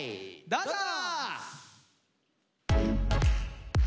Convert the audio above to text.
どうぞ！